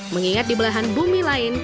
mengingat di belahan bumi lain